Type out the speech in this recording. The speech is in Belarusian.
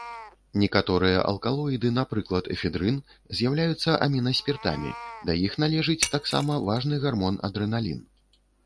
Некаторыя алкалоіды, напрыклад эфедрын, з'яўляюцца амінаспіртамі, да іх належыць таксама важны гармон адрэналін.